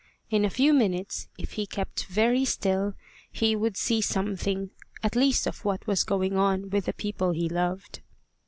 In a few minutes, if he kept very still, he would see something at least of what was going on with the people he loved.